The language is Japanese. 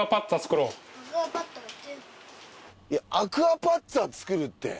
アクアパッツァ作るって。